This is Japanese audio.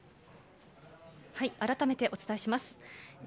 改めてお伝えします。